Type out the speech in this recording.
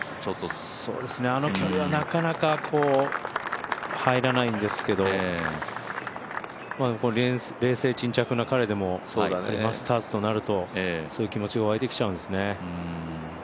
あのキャリーはなかなか入らないんですけど、冷静沈着な彼でもマスターズとなるとそういう気持ちが湧いてきちゃうんですね。